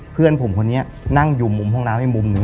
เพื่อนผมคนนี้นั่งอยู่มุมห้องน้ำอีกมุมหนึ่ง